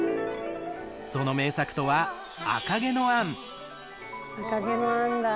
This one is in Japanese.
その名作とは「赤毛のアン」だ。